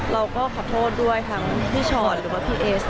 เราก็ขอโทษด้วยทั้งพี่ชอตหรือว่าพี่เอส